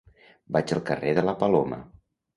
Vaig al carrer de la Paloma.